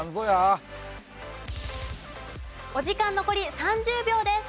お時間残り３０秒です。